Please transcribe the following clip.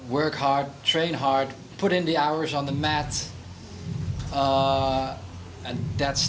bekerja keras berlatih keras menemukan waktu di matahari